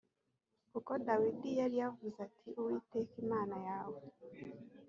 kuko dawidi yari yavuze ati uwiteka imana yawe